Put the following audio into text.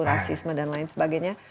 rasisme dan lain sebagainya